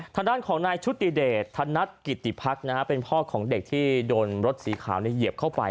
ทางด้านของนายชุติเดชธนัดกิติพักเป็นพ่อของเด็กที่โดนรถสีขาวเหยียบเข้าไป